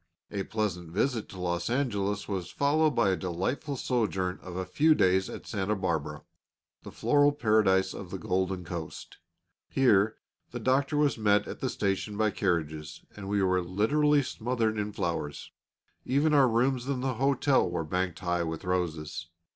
A pleasant visit to Los Angeles was followed by a delightful sojourn of a few days at Santa Barbara, the floral paradise of the Golden Coast; here the Doctor was met at the station by carriages, and we were literally smothered in flowers; even our rooms in the hotel were banked high with roses.